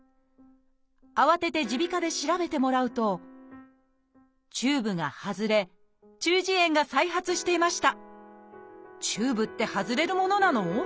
慌てて耳鼻科で調べてもらうとチューブが外れ中耳炎が再発していました